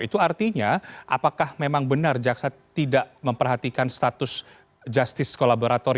itu artinya apakah memang benar jaksa tidak memperhatikan status justice kolaborator